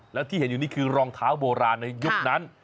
แล้วที่เห็นอยู่นี่คือรองเท้าโบราณในยุคนั้น